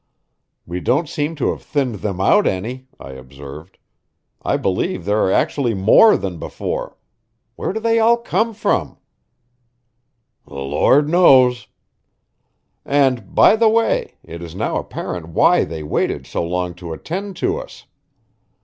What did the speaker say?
"We don't seem to have thinned them out any," I observed. "I believe there are actually more than before. Where do they all come from?" "The Lord knows!" "And, by the way, it is now apparent why they waited so long to attend to us.